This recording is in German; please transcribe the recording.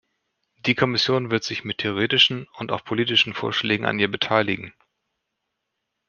Die Kommission wird sich mit theoretischen und auch politischen Vorschlägen an ihr beteiligen.